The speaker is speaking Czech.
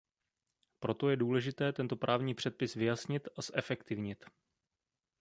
Proto je důležité tento právní předpis vyjasnit a zefektivnit.